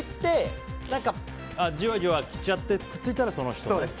じわじわ来ちゃってくっついたらその人。